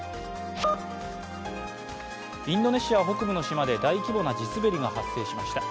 インドネシア北部の島で大規模な地滑りが発生しました。